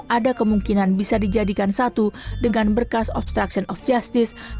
ada kemungkinan bisa dijadikan satu dengan berkas obstruction of justice